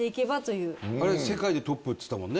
世界でトップっつったもんね。